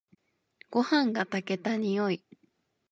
ごはんが炊けた匂い。